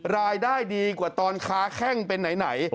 รายได้ดีกว่าตอนค้าแข้งเป็นไหน